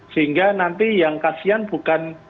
sehingga nanti yang kasian bukan